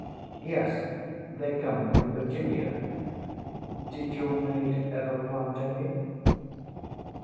ŌĆśYes. They come from Virginia. Did your maid ever plant any?